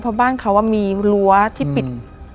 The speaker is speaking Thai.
เพราะบ้านเขามีรั้วที่ปิด